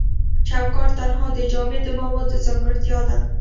چوکات تنها د جامد موادو ځانګړتیا ده.